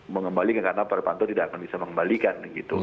mengembalikan karena pak irpanto tidak akan bisa mengembalikan